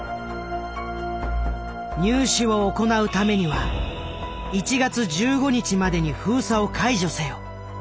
「入試を行うためには１月１５日までに封鎖を解除せよ」。